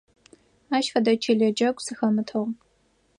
Ащ фэдэ чылэ джэгу сыхэмытыгъ.